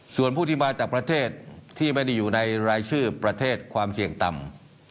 ส่วนผู้ที่มาจากประเทศที่ไม่ได้อยู่ในรายชื่อประเทศความเสี่ยงต่ำ